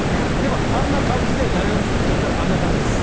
でもあんな感じで大学の時からあんな感じです。